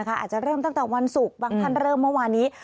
อาจจะเริ่มตั้งแต่วันศุกร์บางท่านเริ่มเมื่อวานนี้